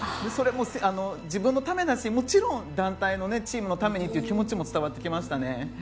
それも自分のためだしもちろんチームのためにという気持ちも伝わってきましたね。